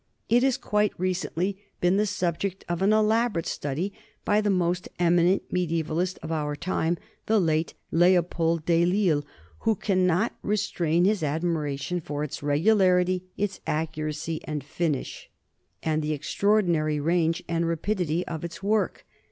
It has quite recently been the subject of an elaborate study by the most eminent medievalist of our time, the late Leopold Delisle, who cannot restrain his admiration for its regularity, its accuracy and finish, and the extraordinary range and rapidity of its work.